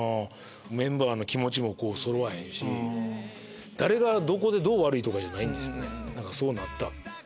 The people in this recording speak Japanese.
メンバーの気持ちもそろわへんし誰がどこでどう悪いじゃない何かそうなった。